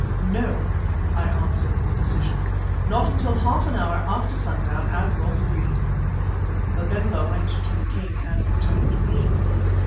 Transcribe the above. "No," I answered with decision, "not till half an hour after sundown as was agreed." Babemba went to the king and returned to me.